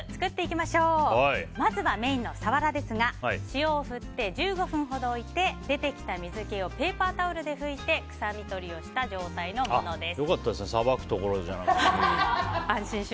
まずは、メインのサワラですが塩を振って１５分ほど置いて、出てきた水気をペーパータオルで拭いて臭みとりをした状態のものです。